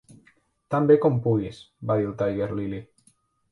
"Tan bé com puguis" va dir el Tiger-lily.